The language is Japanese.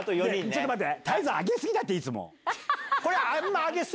ちょっと待って。